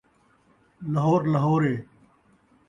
لہور لہور ہے